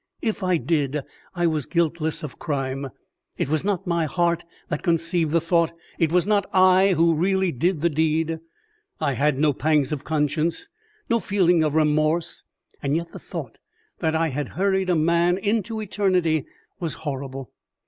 If I did, I was guiltless of crime. It was not my heart that conceived the thought; it was not I who really did the deed. I had no pangs of conscience, no feeling of remorse, and yet the thought that I had hurried a man into eternity was horrible.